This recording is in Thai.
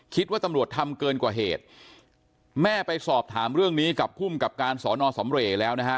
คิดว่าตำรวจทำเกินกว่าเหตุแม่ไปสอบถามเรื่องนี้กับภูมิกับการสอนอสำเรย์แล้วนะฮะ